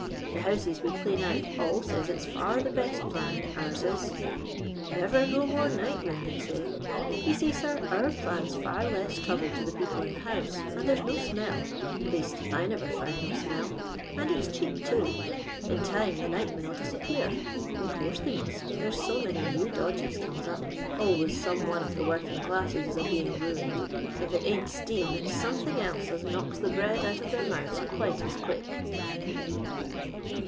The houses we clean out, all says it's far the l>est pbn, ours is. ' Never no more nightmen,' they say. You see, sir, our plan's far less trouble to the people in the house, and there's no smell— least I never found no smell, and it's cheap, too. In time the nightmen '11 disappear : in course they must, there's so many new dodpes comes up, always some one of the working classes is a being ruined« If it ain't steam, LONDON LABOUR AND THE LONDON POOR* 440 it's sometbing else as knocks the bread out of their mouths quite as quick."